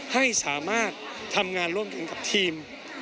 ให้สามารถทำงานร่วมถึงกับทีม